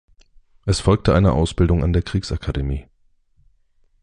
Es folgte eine Ausbildung an der Kriegsakademie.